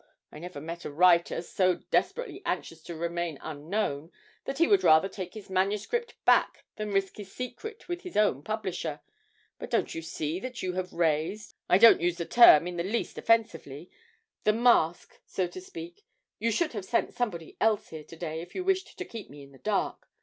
I never met a writer so desperately anxious to remain unknown that he would rather take his manuscript back than risk his secret with his own publisher. But don't you see that you have raised (I don't use the term in the least offensively) the mask, so to speak you should have sent somebody else here to day if you wished to keep me in the dark.